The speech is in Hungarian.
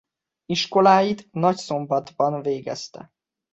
Iskoláit Nagyszombatban végezte.